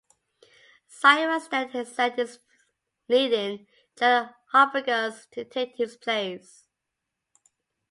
Cyrus then sent his leading general, Harpagus, to take his place.